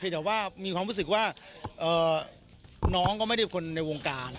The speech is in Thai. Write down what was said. แต่ว่ามีความรู้สึกว่าน้องก็ไม่ได้เป็นคนในวงการ